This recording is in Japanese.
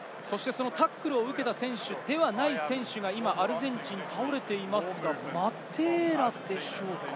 タックルを受けた選手ではない選手が今アルゼンチン倒れていますが、マテーラでしょうか？